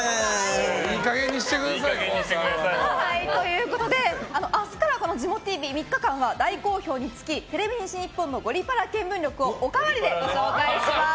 いい加減にしてください。ということで、明日からジモＴＶ３日間は大好評につきテレビ西日本の「ゴリパラ見聞録」をおかわりでご紹介します。